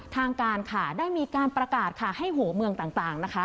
ทางการค่ะได้มีการประกาศค่ะให้หัวเมืองต่างนะคะ